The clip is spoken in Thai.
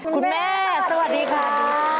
คุณแม่สวัสดีครับ